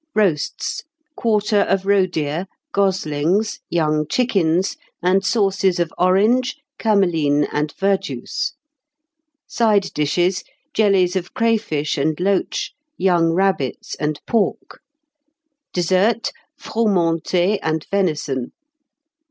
"Roasts. Quarter of roe deer, goslings, young chickens, and sauces of orange, cameline, and verjuice. "Side Dishes. Jellies of crayfish and loach; young rabbits and pork. "Dessert. Froumentée and venison.